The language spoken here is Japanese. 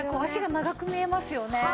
脚が長く見えますよね。